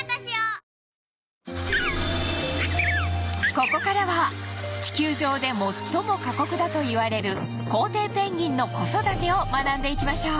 ここからは地球上で最も過酷だといわれるコウテイペンギンの子育てを学んでいきましょう